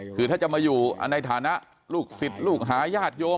คือถ้าจะมาอยู่ในฐานะลูกศิษย์ลูกหาญาติโยม